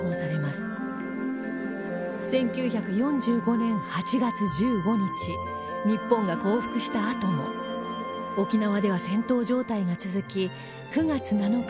１９４５年８月１５日日本が降伏したあとも沖縄では戦闘状態が続き９月７日